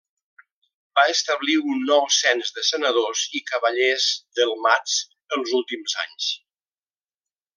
Va establir un nou cens de senadors i cavallers delmats els últims anys.